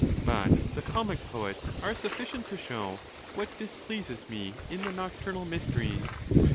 But the comic poets are sufficient to show what displeases me in the nocturnal mysteries.